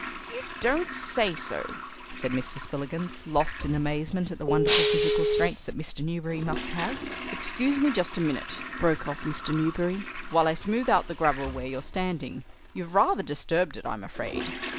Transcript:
"You don't say so!" said Mr. Spillikins, lost in amazement at the wonderful physical strength that Mr. Newberry must have. "Excuse me just a minute," broke off Mr. Newberry, "while I smooth out the gravel where you're standing. You've rather disturbed it, I'm afraid."